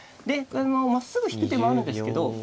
でまっすぐ引く手もあるんですけど。